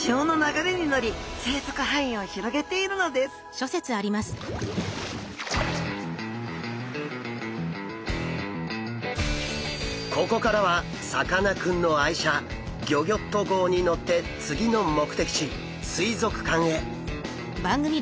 そのためここからはさかなクンの愛車ギョギョッと号に乗って次の目的地水族館へ。